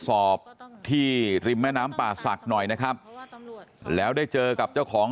สอบที่ริมแม่น้ำป่าศักดิ์หน่อยนะครับแล้วได้เจอกับเจ้าของ